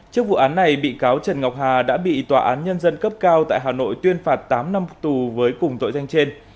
trước vụ án này bị cáo trần ngọc hà đã bị tòa án nhân dân cấp cao tại hà nội tuyên phạt tám năm tù với cùng tội danh trên